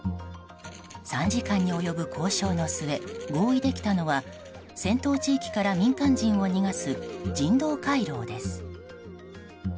３時間に及ぶ交渉の末合意できたのは戦闘地域から民間人を逃がす人道回廊です。